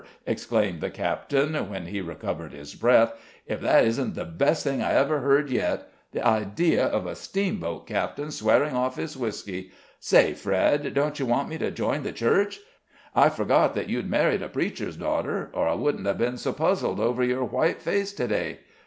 exclaimed the captain, when he recovered his breath; "if that isn't the best thing I ever heard yet! The idea of a steamboat captain swearing off his whisky! Say, Fred, don't you want me to join the Church? I forgot that you'd married a preacher's daughter, or I wouldn't have been so puzzled over your white face to day.